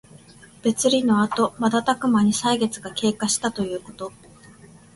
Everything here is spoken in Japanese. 別離のあとまたたくまに歳月が経過したということ。